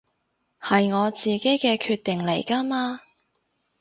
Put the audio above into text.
係我自己嘅決定嚟㗎嘛